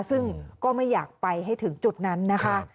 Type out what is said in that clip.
ซึ่งก็ไม่อยากไปให้ถึงจุดนั้นนะคะ